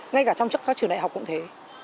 ngay cả trong các trường đại học cũng thế